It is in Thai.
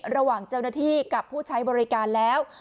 ระหว่างเจ้าหน้าที่กับผู้ใช้บริการแล้ว